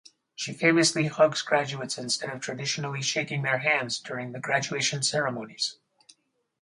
She famously hugs graduates instead of traditionally shaking their hands during the graduation ceremonies.